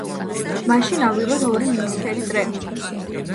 მაშინ ავიღოთ ორი იისფერი წრე.